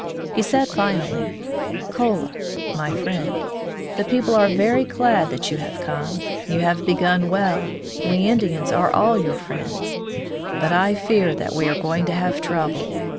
He said finally: "Kola (my friend), the people are very glad that you have come. You have begun well; we Indians are all your friends. But I fear that we are going to have trouble.